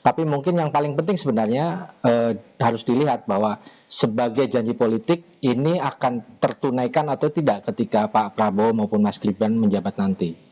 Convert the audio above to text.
tapi mungkin yang paling penting sebenarnya harus dilihat bahwa sebagai janji politik ini akan tertunaikan atau tidak ketika pak prabowo maupun mas gibran menjabat nanti